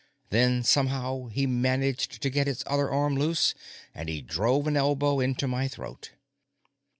Then, somehow, he managed to get his other arm loose, and he drove an elbow into my throat.